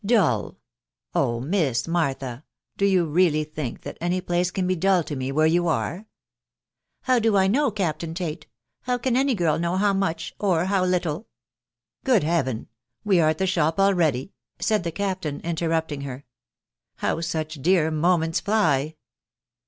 " Dull !.... Oh ! Miss Martha, do you really think that any place can be dull to me where you are?" " How do I know, Captain Tate ?.... How can any girl know how much, or how little." "Good Heaven! .... we are at the shop already?" said the Captain, interrupting her Ct How such dear mo ments fly!'